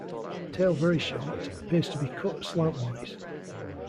Tail very short, appears to be cut slant-wise.